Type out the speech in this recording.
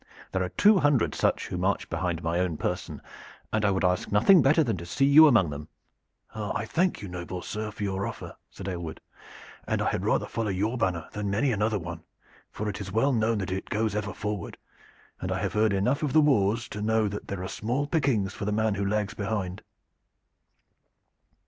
There are two hundred such who march behind my own person, and I would ask nothing better than to see you among them." "I thank you, noble sir, for your offer," said Aylward, "and I had rather follow your banner than many another one, for it is well known that it goes ever forward, and I have heard enough of the wars to know that there are small pickings for the man who lags behind.